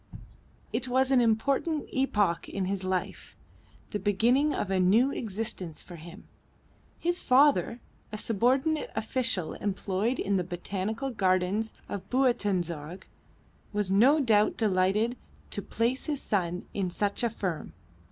It was an important epoch in his life, the beginning of a new existence for him. His father, a subordinate official employed in the Botanical Gardens of Buitenzorg, was no doubt delighted to place his son in such a firm.